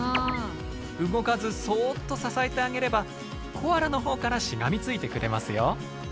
動かずそっと支えてあげればコアラのほうからしがみついてくれますよ。